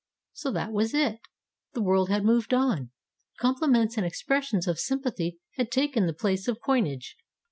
So that was it; the world had moved on; compli ments and expressions of sympathy had taken the place of coinage.